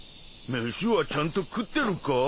飯はちゃんと食ってるか？